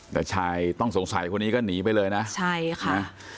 แต่ชายต้องสงสัยคนนี้ก็หนีไปเลยนะใช่ค่ะ